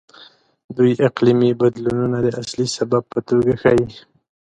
دوی اقلیمي بدلونونه د اصلي سبب په توګه ښيي.